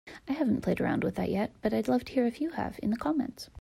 I haven't played around with that yet, but I'd love to hear if you have in the comments.